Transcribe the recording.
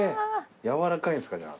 柔らかいんですかじゃあ。